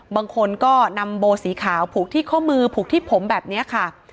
บางคนก็นำโบสีขาวผูกที่ข้อมือผูกที่ผมแบบนี้ค่ะ